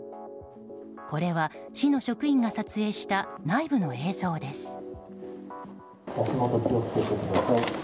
これは市の職員が撮影した内部の映像です。